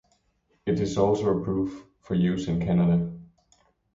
It is also approved for use in Canada.